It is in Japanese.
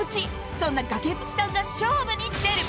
そんな崖っぷちさんが勝負に出る！